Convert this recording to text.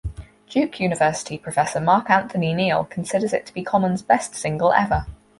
Duke University professor Mark Anthony Neal considers it to be Common's best single ever.